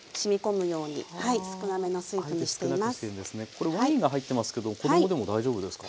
これワインが入ってますけど子供でも大丈夫ですか？